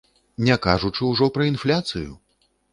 Не кажучы ўжо пра інфляцыю!